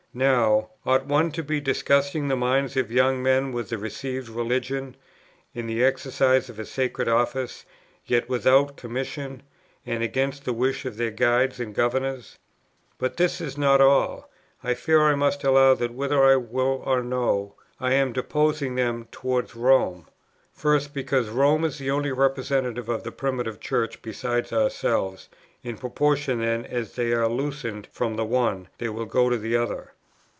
Now, ought one to be disgusting the minds of young men with the received religion, in the exercise of a sacred office, yet without a commission, and against the wish of their guides and governors? "But this is not all. I fear I must allow that, whether I will or no, I am disposing them towards Rome. First, because Rome is the only representative of the Primitive Church besides ourselves; in proportion then as they are loosened from the one, they will go to the other.